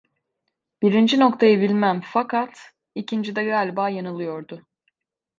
Birinci noktayı bilmem fakat ikincide galiba yanılıyordu.